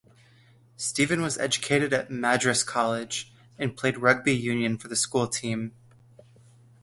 Steven was educated at Madras College and played rugby union for the school team.